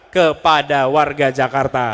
kepada warga jakarta